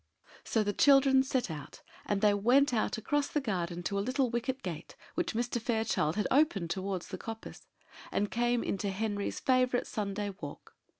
So the children set out; and they went out across the garden to a little wicket gate which Mr. Fairchild had opened towards the coppice, and came into Henry's favourite Sunday walk.